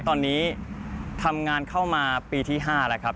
ตอนนี้ทำงานเข้ามาปีที่๕แล้วครับ